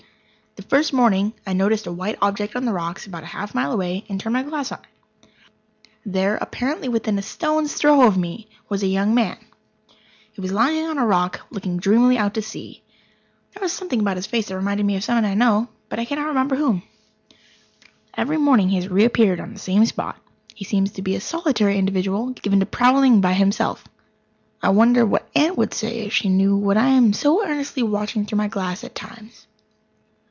The first morning I noticed a white object on the rocks, about half a mile away, and turned my glass on it. There apparently within a stone's throw of me was a young man. He was lounging on a rock, looking dreamily out to sea. There was something about his face that reminded me of someone I know, but I cannot remember whom. Every morning he has reappeared on the same spot. He seems to be a solitary individual, given to prowling by himself. I wonder what Aunt would say if she knew what I am so earnestly watching through my glass at times.